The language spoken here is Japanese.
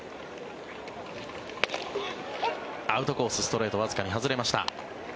アウトコース、ストレートわずかに外れました。